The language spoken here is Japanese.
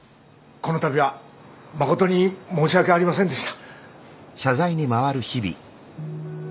この度は誠に申し訳ありませんでした。